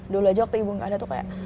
dulu aja waktu ibu gak ada tuh kayak